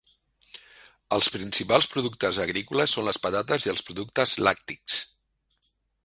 Els principals productes agrícoles són les patates i els productes làctics.